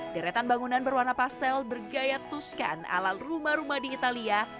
deretan bangunan berwarna pastel bergaya tuskan ala rumah rumah di italia